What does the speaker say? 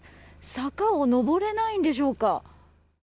坂を上れないんでしょうか。